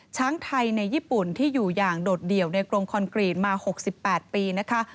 ช้างไทยในญี่ปุ่นที่อยู่อย่างโดดเดี่ยวในกรงคอนกรีตมา๖๘ปีนะคะ